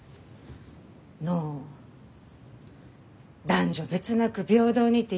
のう「男女別なく平等に」って言うけんど